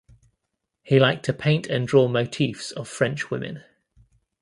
He liked to paint and draw motifs of French women.